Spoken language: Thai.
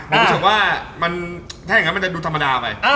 ผมพิชาว่าว่ามันแถ่งนี้มันจะดูธรรมดาไป